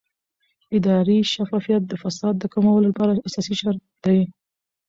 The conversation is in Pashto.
اداري شفافیت د فساد د کمولو لپاره اساسي شرط دی